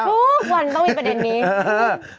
ทุกวันต้องมีประเด็นนี้